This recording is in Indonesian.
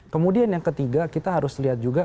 kemudian yang ketiga kita harus lihat juga